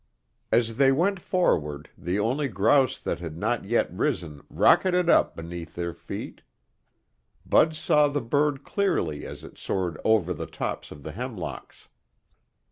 As they went forward, the only grouse that had not yet risen rocketed up beneath their feet. Bud saw the bird clearly as it soared over the tops of the hemlocks.